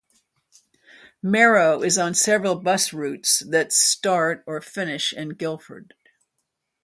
Merrow is on several bus routes that start or finish in Guildford.